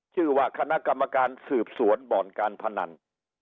ชื่อว่าคณะกรรมการสืบสวนบ่อนการพนัน